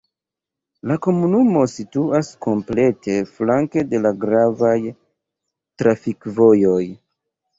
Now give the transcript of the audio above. La komunumo situas komplete flanke de la gravaj trafikvojoj.